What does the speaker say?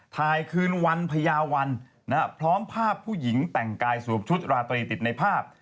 คืนวันพญาวันพร้อมภาพผู้หญิงแต่งกายสวมชุดราตรีติดในภาพ